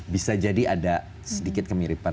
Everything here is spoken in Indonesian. bisa jadi ada sedikit kemiripan